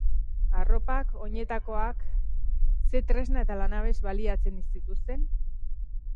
Arropak, oinetakoak... Ze tresna eta lanabes baliatzen zituzten?